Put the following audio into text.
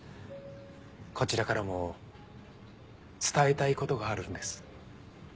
こちらからも伝えたいことがあるんです。